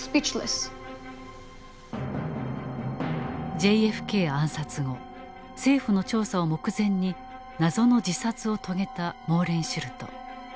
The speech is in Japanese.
ＪＦＫ暗殺後政府の調査を目前に謎の自殺を遂げたモーレンシュルト。